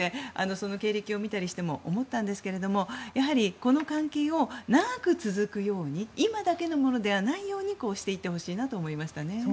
その経歴を見ても思ったりしたんですがやはりこの関係を長く続くように今だけのものではないようにしていってほしいなと思いましたね。